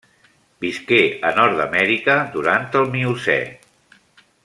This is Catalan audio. Visqué a Nord-amèrica durant el Miocè.